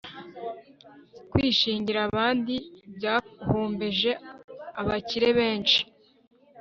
kwishingira abandi byahombeje abakire benshi